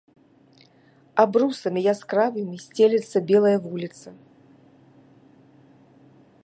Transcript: Абрусамі яскравымі сцелецца белая вуліца.